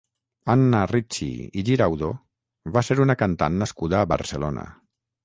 Anna Ricci i Giraudo va ser una cantant nascuda a Barcelona.